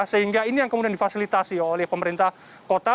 sehingga ini yang kemudian difasilitasi oleh pemerintah kota